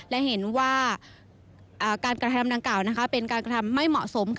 และเห็นว่าการกระทำดังกล่าวเป็นการกระทำไม่เหมาะสม